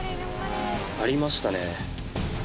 ありましたね。